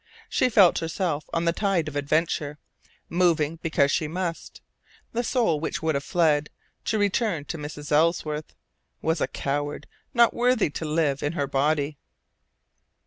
She felt herself on the tide of adventure, moving because she must; the soul which would have fled, to return to Mrs. Ellsworth, was a coward not worthy to live in her body.